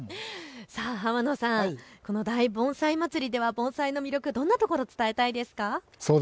浜野さん、この大盆栽まつりでは盆栽の魅力、どんなところを伝えたいですか。